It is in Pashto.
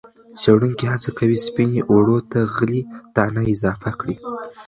څېړونکي هڅه کوي سپینې اوړو ته غلې- دانه اضافه کړي.